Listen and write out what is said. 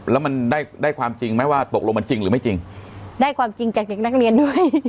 แล้วมันได้ได้ความจริงไหมว่าตกลงมันจริงหรือไม่จริงได้ความจริงจากเด็กนักเรียนด้วย